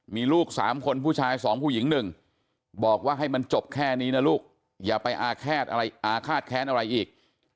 มีลูก๓คนผู้ชาย๒ผู้หญิง๑บอกว่าให้มันจบแค่นี้นะลูกอย่าไปอาฆอะไรอาฆาตแค้นอะไรอีก